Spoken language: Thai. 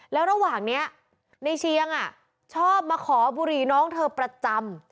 แล้วระหว่างนี้ในเชียงชอบมาขอบุหรี่น้องเธอประจำ